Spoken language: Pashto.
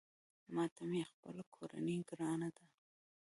ماته مې خپله کورنۍ ګرانه ده